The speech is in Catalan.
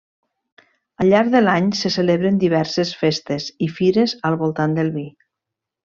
Al llarg de l'any se celebren diverses festes i fires al voltant del vi.